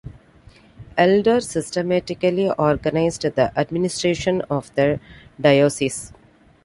Elder systematically organized the administration of the diocese.